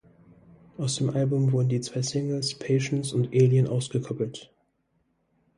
Aus dem Album wurden die zwei Singles "Patience" und "Alien" ausgekoppelt.